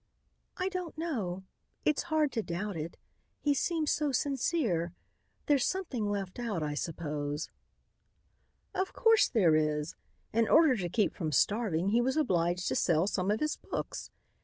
"I don't know. It's hard to doubt it. He seems so sincere. There's something left out, I suppose." "Of course there is. In order to keep from starving, he was obliged to sell some of his books.